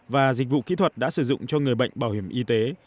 và dịch vụ kỹ thuật đã sử dụng cho người bệnh bảo hiểm y tế